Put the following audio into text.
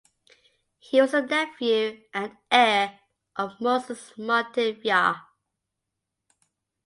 He was the nephew and heir of Moses Montefiore.